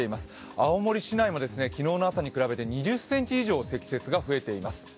青森市内も昨日の朝に比べて２０ｃｍ以上積雪が増えています。